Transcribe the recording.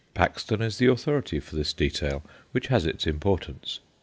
Paxton is the authority for this detail, which has its importance.